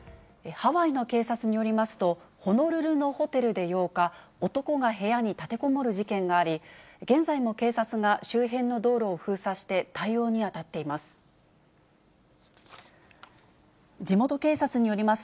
ハワイの警察によりますと、ホノルルのホテルで８日、男が部屋に立てこもる事件があり、現在も警察が周辺の道路を封鎖して対応に当たっています。